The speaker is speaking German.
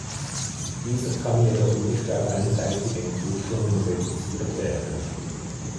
Dieser kann jedoch nicht auf einseitige Entwicklungen reduziert werden.